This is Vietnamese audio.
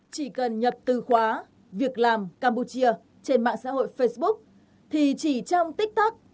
chỉ cần nhập từ khóa việc làm campuchia trên mạng xã hội facebook thì chỉ trong tích tắc